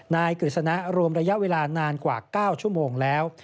กฤษณะรวมระยะเวลานานกว่า๙ชั่วโมงแล้ว